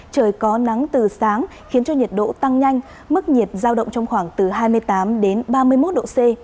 trời có nắng từ sáng khiến cho nhiệt độ tăng nhanh mức nhiệt giao động trong khoảng từ hai mươi tám đến ba mươi một độ c